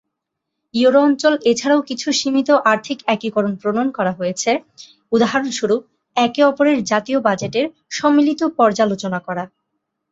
Euro অঞ্চল এছাড়াও কিছু সীমিত আর্থিক একীকরণ প্রণয়ন করা হয়েছে, উদাহরণস্বরূপ, একে অপরের জাতীয় বাজেটের সম্মিলিত পর্যালোচনা করা।